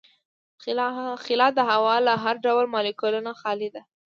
خلا د هوا له هر ډول مالیکولونو خالي ده.